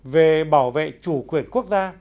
về bảo vệ chủ quyền quốc gia